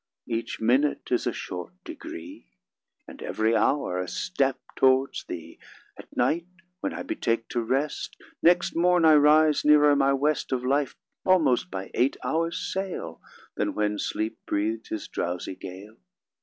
Each minute is a short degree, And ev'ry hour a step towards thee. At night, when I betake to rest, Next morn I rise nearer my West Of life, almost by eight hours' sail Than when sleep breath'd his drowsy gale.